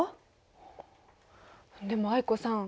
でも藍子さん